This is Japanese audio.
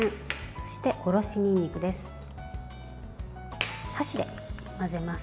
そして、おろしにんにくです。